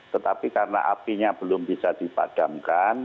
tetapi karena apinya belum bisa dipadamkan